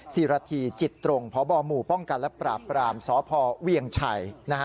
ศิรธีจิตตรงพบหมู่ป้องกันและปราบปรามสพเวียงชัย